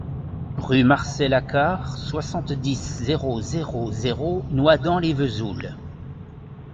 Rue Marcel Hacquard, soixante-dix, zéro zéro zéro Noidans-lès-Vesoul